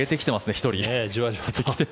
１人。